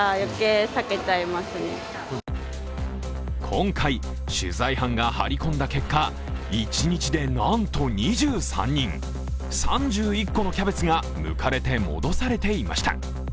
今回、取材班が張り込んだ結果、一日でなんと２３人、３１個のキャベツがむかれて戻されていました。